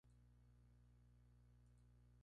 Se encuentra en la isla de Mindanao Filipinas.